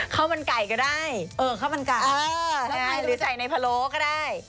ข้าวมันไก่ก็ได้หรือใส่ในพะโลก็ได้